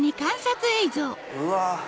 うわ！